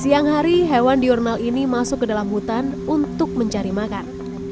siang hari hewan diurnal ini masuk ke dalam hutan untuk mencari makan